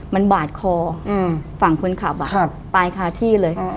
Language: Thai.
มันบาดคอฝั่งคนขับตายคาที่เลย